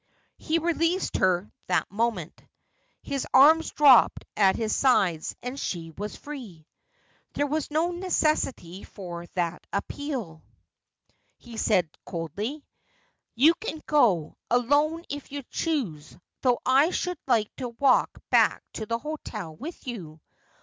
He released her that moment. His arms dropped at his sides, and she was free. ' There was no necessity for that appeal,' he said coldly ;' you can go — alone if you choose — though I should like to walk back to the hotel with you.